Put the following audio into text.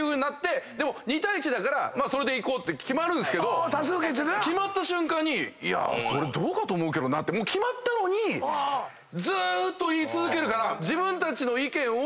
でも２対１だからそれでいこうって決まるんすけど決まった瞬間に「いや」もう決まったのにずーっと言い続けるから。